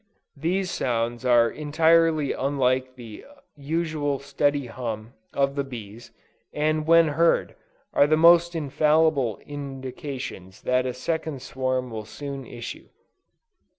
These sounds are entirely unlike the usual steady hum of the bees, and when heard, are the almost infallible indications that a second swarm will soon issue.